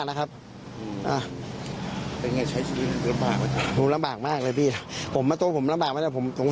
คนในคลิปเลยใช่ไหม